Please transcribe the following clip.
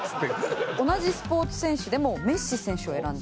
同じスポーツ選手でもメッシ選手を選んだ。